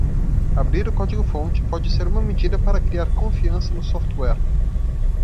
Abrir o código-fonte pode ser uma medida para criar confiança no software.